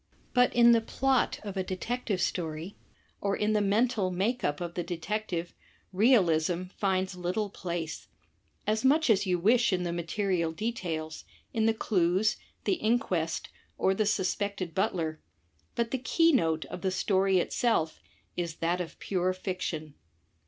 But in the plot of a Detective Story, or in the mental makeup of the detective, realism finds little place — as much as you wish in the material details, in the clues, the inquest, or the suspected butler, but the key note of the story itself is that of pure fiction.